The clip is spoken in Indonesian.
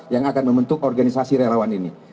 yang akan membentuk organisasi relawan ini